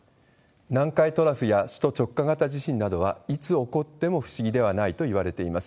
南海トラフや首都直下型地震などは、いつ起こっても不思議ではないといわれています。